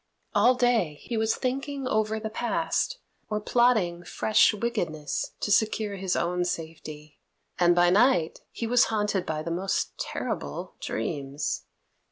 All day he was thinking over the past, or plotting fresh wickedness to secure his own safety, and by night he was haunted by the most terrible dreams.